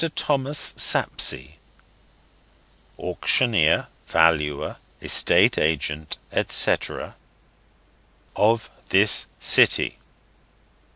THOMAS SAPSEA, AUCTIONEER, VALUER, ESTATE AGENT, &c., OF THIS CITY.